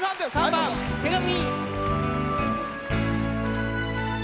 ３番「手紙」。